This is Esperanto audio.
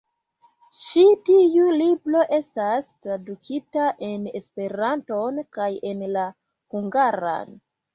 Ĉi tiu libro estas tradukita en Esperanton kaj en la hungaran.